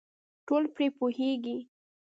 ټول پرې پوهېږي .